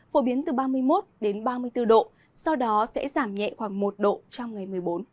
phổ biến từ ba mươi một đến ba mươi bốn độ sau đó sẽ giảm nhẹ khoảng một độ trong ngày một mươi bốn